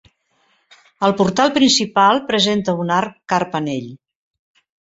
El portal principal presenta un arc carpanell.